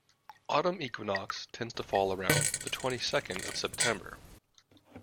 Autumn equinox tends to fall around the twenty-second of September.